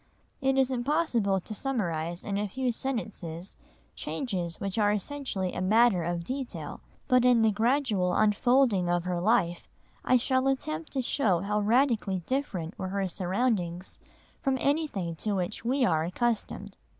It is impossible to summarise in a few sentences changes which are essentially a matter of detail, but in the gradual unfolding of her life I shall attempt to show how radically different were her surroundings from anything to which we are accustomed.